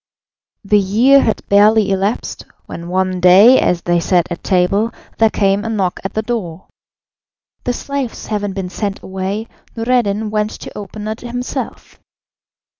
The year had barely elapsed, when one day, as they sat at table, there came a knock at the door. The slaves having been sent away, Noureddin went to open it himself.